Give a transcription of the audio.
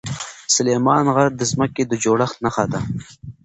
سلیمان غر د ځمکې د جوړښت نښه ده.